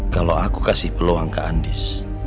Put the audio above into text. kalau aku kasih peluang ke andis